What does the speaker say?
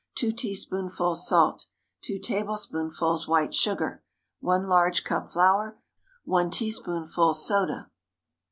2 teaspoonfuls salt. 2 tablespoonfuls white sugar. 1 large cup flour. 1 teaspoonful soda.